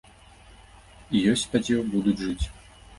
І ёсць спадзеў, будуць жыць.